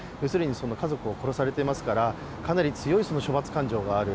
家族を殺されていますから、かなり強い処罰感情がある。